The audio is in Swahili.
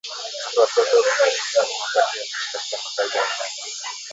Ondoa tope au kinyesi ama mabaki ya lishe katika makazi ya wanyama